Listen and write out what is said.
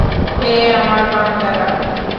হে আমার বান্দারা!